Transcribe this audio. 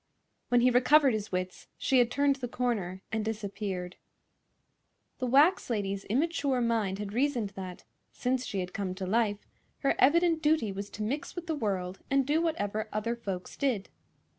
When he recovered his wits she had turned the corner and disappeared. The wax lady's immature mind had reasoned that, since she had come to life, her evident duty was to mix with the world and do whatever other folks did.